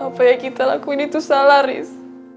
apa yang kita lakuin itu salah riz